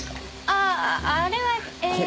あああれはえー。